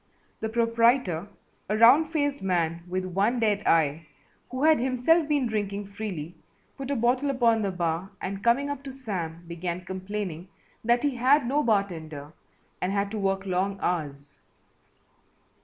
The proprietor, a round faced man with one dead eye, who had himself been drinking freely, put a bottle upon the bar and coming up to Sam, began complaining that he had no bartender and had to work long hours.